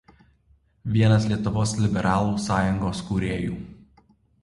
Vienas Lietuvos liberalų sąjungos kūrėjų.